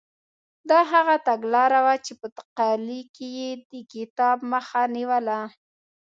دا هغه تګلاره وه چې په تقالي کې یې د کتاب مخه نیوله.